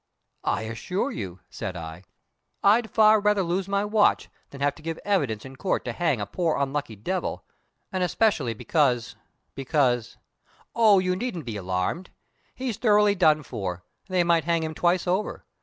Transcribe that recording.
"I assure you," said I, "I'd far rather lose my watch than have to give evidence in court to hang a poor unlucky devil, and especially because because " "Oh, you needn't be alarmed! He's thoroughly done for; they might hang him twice over.